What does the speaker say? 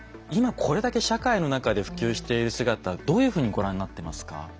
今これだけ社会の中で普及している姿どういうふうにご覧になってますか？